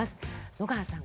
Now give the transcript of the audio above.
野川さん